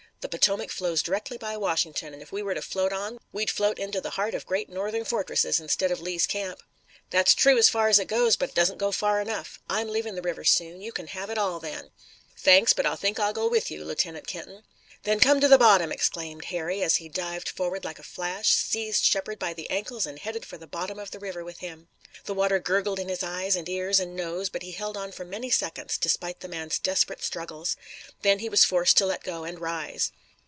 The Potomac flows directly by Washington, and if we were to float on we'd float into the heart of great Northern fortresses instead of Lee's camp." "That's true as far as it goes, but it doesn't go far enough. I'm leaving the river soon. You can have it all then." "Thanks, but I think I'll go with you, Lieutenant Kenton." "Then come to the bottom!" exclaimed Harry, as he dived forward like a flash, seized Shepard by the ankles and headed for the bottom of the river with him. The water gurgled in his eyes and ears and nose, but he held on for many seconds, despite the man's desperate struggles. Then he was forced to let go and rise.